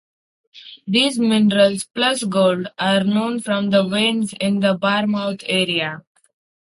These minerals plus gold are known from veins in the Barmouth area.